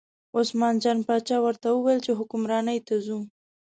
عثمان جان باچا ورته وویل چې حکمرانۍ ته ځو.